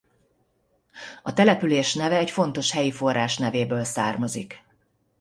A település neve egy fontos helyi forrás nevéből származik.